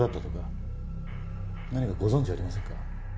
何かご存じありませんか？